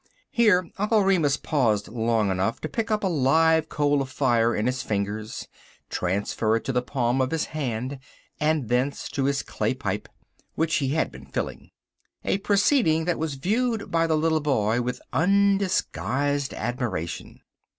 Here Uncle Remus paused long enough to pick up a live coal of fire in his fingers, transfer it to the palm of his hand, and thence to his clay pipe, which he had been filling a proceeding that was viewed by the little boy with undisguised admiration.